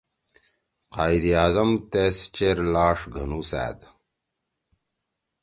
قائداعظم تیس چیر لاݜ گھنُوسأد